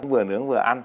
vừa nướng vừa ăn